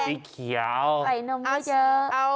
เอ้าสีเขียวไกลนมก็เยอะ